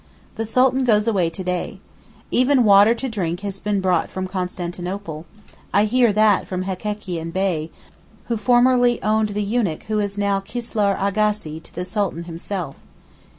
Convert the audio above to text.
The Sultan goes away to day. Even water to drink has been brought from Constantinople; I heard that from Hekekian Bey, who formerly owned the eunuch who is now Kislar Aghasy to the Sultan himself.